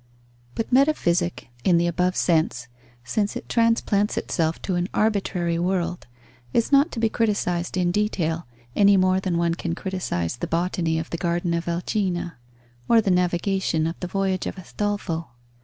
But metaphysic, in the above sense, since it transplants itself to an arbitrary world, is not to be criticized in detail, any more than one can criticize the botany of the garden of Alcina or the navigation of the voyage of Astolfo.